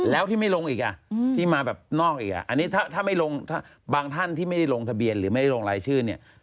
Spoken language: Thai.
แล้วที่ไม่ลงอีกอ่ะที่มาแบบนอกอีกอ่ะอันนี้ถ้าไม่ลงบางท่านที่ไม่ได้ลงทะเบียนหรือไม่ลงรายชื่อเนี่ย